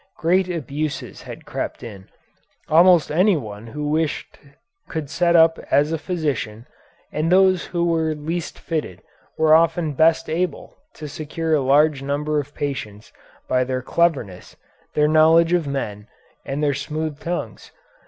Great abuses had crept in. Almost anyone who wished could set up as a physician, and those who were least fitted were often best able to secure a large number of patients by their cleverness, their knowledge of men, and their smooth tongues.